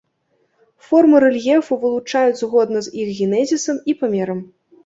Формы рэльефу вылучаюць згодна з іх генезісам і памерам.